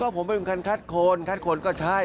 พูดถั่วไปคัดคนก็ใช่